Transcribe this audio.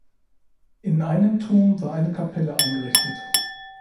In einem Turm war eine Kapelle eingerichtet.